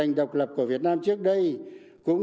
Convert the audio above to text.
dành độc lập của việt nam trước đây cũng